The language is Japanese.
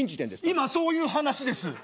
今そういう話です！